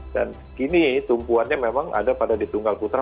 dan kini tumpuannya memang ada pada di tunggal putra